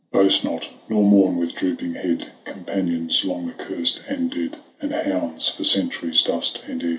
Patric. Boast not, nor mourn with drooping head Companions long accurst and dead. And hounds for centuries dust and air.